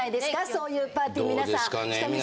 そういうパーティー皆さん。